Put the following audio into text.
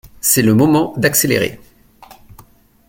C’est le moment d’accélérer.